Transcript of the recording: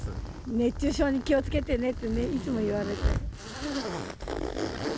熱中症に気をつけてねって、いつも言われている。